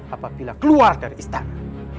apabila keluar dari istana